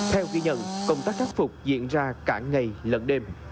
theo ghi nhận công tác khắc phục diễn ra cả ngày lẫn đêm